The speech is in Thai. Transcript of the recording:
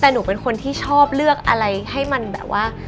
แต่หนูเป็นคนที่ชอบเลือกอะไรให้มันแบบว่า